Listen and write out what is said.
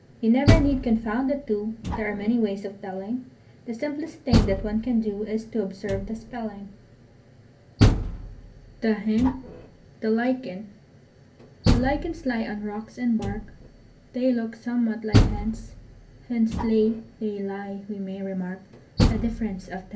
You never need confound the two, There are many ways of telling: The simplest thing that one can do, Is to observe the spelling. The Hen. The Lichen. [Illustration: The Hen. The Lichen.] The Lichens lie on rocks and bark, They look somewhat like Hens: Hens lay, they lie, we may remark, A difference of tense.